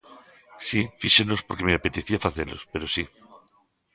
Si, fíxenos porque me apetecía facelos, pero si.